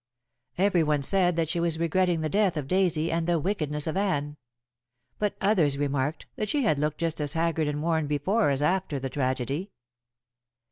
Everyone said that she was regretting the death of Daisy and the wickedness of Anne; but others remarked that she had looked just as haggard and worn before as after the tragedy.